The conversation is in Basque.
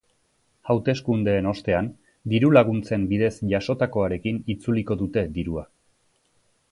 Hauteskundeen ostean diru-laguntzen bidez jasotakoarekin itzuliko dute dirua.